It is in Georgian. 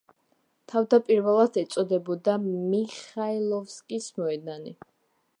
თავდაპირველად ეწოდებოდა მიხაილოვსკის მოედანი.